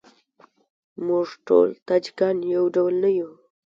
موږ ټول تاجیکان یو ډول نه یوو.